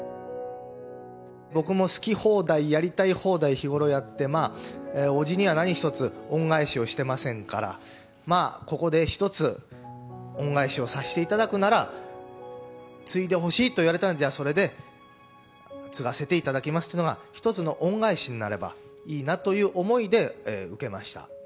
僕も好き放題、やりたい放題、日頃やって、まあ、伯父には何一つ恩返しをしてませんから、まあ、ここで一つ恩返しをさせていただくなら、継いでほしいと言われたので、じゃあ、それで継がせていただきますというのが、一つの恩返しになればいいなという思いで受けました。